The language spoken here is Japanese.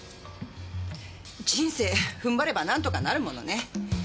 人生踏ん張ればなんとかなるものね。